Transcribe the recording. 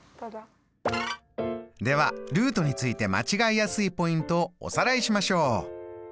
ではルートについて間違いやすいポイントをおさらいしましょう。